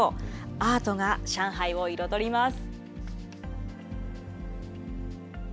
アートが上海を彩ります。